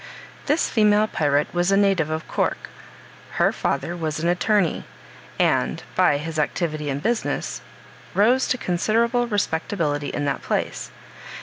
This female pirate was a native of Cork. Her father was an attorney, and, by his activity in business, rose to considerable respectability in that place.